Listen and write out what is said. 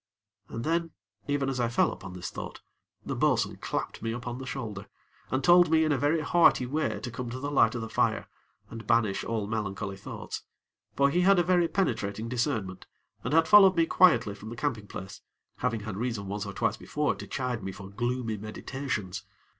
And then, even as I fell upon this thought, the bo'sun clapped me upon the shoulder, and told me in a very hearty way to come to the light of the fire, and banish all melancholy thoughts; for he had a very penetrating discernment, and had followed me quietly from the camping place, having had reason once or twice before to chide me for gloomy meditations.